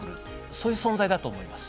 そういう存在だと思います。